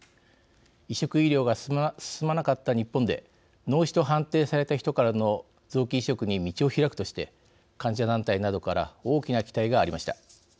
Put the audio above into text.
移植医療が進まなかった日本で脳死と判定された人からの臓器移植に道を開くとして患者団体などから大きな期待がありました。